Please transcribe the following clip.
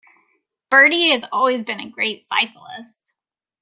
Bertie has always been a great cyclist.